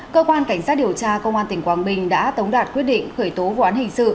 cơ quan cảnh sát điều tra công an tỉnh quảng bình đã tống đạt quyết định khởi tố vụ án hình sự